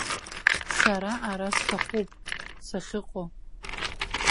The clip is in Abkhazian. Сара ара сҭахуп, сахьыҟоу.